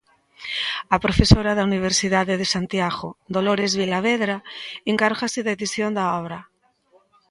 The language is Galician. A profesora da Universidade de Santiago Dolores Vilavedra encárgase da edición da obra.